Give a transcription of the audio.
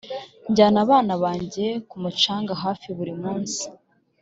njyana abana banjye ku mucanga hafi buri munsi